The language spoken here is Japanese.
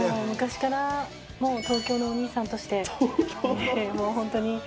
昔からもう東京のお兄さんとして、もう本当に。